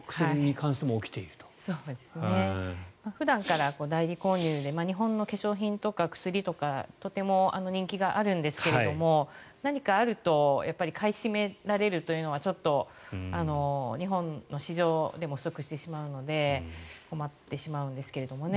普段から代理購入で日本の化粧品とか薬とかとても人気があるんですが何かあると買い占められるというのは日本の市場でも不足してしまうので困ってしまうんですけどね。